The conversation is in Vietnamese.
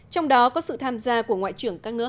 trong đó có sự tham gia của ngoại trưởng các nước